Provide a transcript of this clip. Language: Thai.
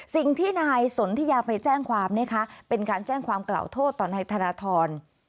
สิ่งที่นายสนทิยาไปแจ้งความนะคะเป็นการแจ้งความกล่าวโทษต่อนายธนทร